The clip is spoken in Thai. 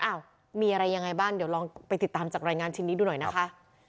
อ้าวมีอะไรยังไงบ้างเดี๋ยวลองไปติดตามจากรายงานชิ้นนี้ดูหน่อยนะคะ